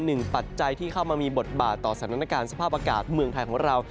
ปัจจัยที่เข้ามามีบทบาทต่อสถานการณ์สภาพอากาศเมืองไทยของเรา